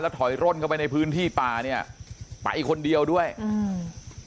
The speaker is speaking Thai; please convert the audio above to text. ถอยร่นเข้าไปในพื้นที่ป่าเนี้ยไปคนเดียวด้วยอืม